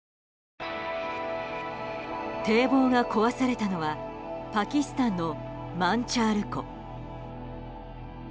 堤防が壊されたのはパキスタンのマンチャール湖。